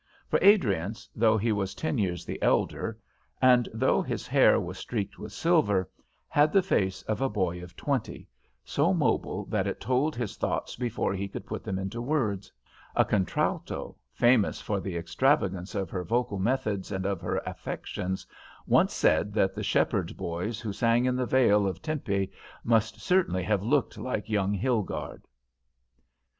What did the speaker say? For Adriance, though he was ten years the elder, and though his hair was streaked with silver, had the face of a boy of twenty, so mobile that it told his thoughts before he could put them into words. A contralto, famous for the extravagance of her vocal methods and of her affections, once said that the shepherd boys who sang in the Vale of Tempe must certainly have looked like young Hilgarde.